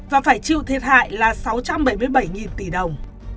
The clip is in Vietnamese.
và phải chịu thiệt hại là sáu trăm bảy mươi bảy tỷ đồng